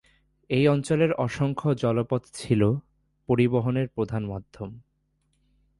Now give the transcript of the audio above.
এই অঞ্চলের অসংখ্য জলপথ ছিল পরিবহনের প্রধান মাধ্যম।